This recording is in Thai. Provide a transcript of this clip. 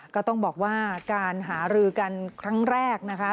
ก็ต้องบอกว่าการหารือกันครั้งแรกนะคะ